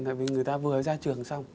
tại vì người ta vừa ra trường xong